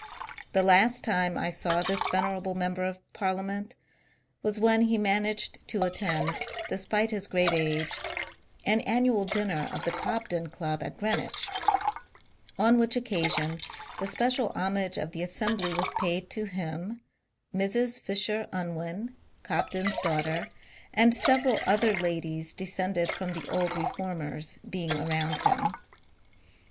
The last time I saw this venerable member of Parliament was when he managed to attend, de spite his great age, an annual dinner of the Cobden Club at Greenwich; on which occasion the special homage of the assembly was paid to him, Mrs. Fisher Unwin, Cobden's daughter, and several other ladies descended from the old reformers, being around him.